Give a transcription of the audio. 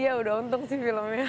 iya udah untung sih filmnya